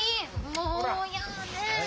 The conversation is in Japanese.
もうやね！